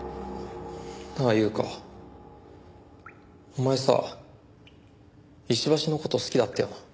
なあ優花お前さ石橋の事好きだったよな？